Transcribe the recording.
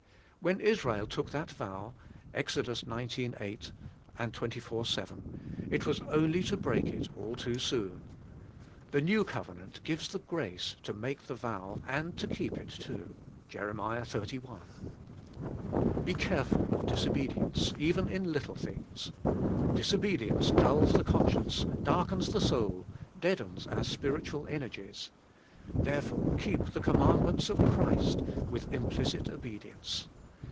When Israel took that vow {Bx, xix, S^ xxiv, 7), it was only to break it all too soon. The New Covenant gives the grace to make the vow and to keep it too {Jer, xxxi,). Be careful of disobedience even in little things. Disobedience dulls the conscience, darkens the soul, deadens our spiritual energies, — therefore keep the commandments of Christ with implicit obedience.